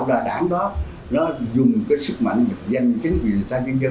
tạo ra đảng đó nó dùng cái sức mạnh dịch danh chính quyền tai nhân dân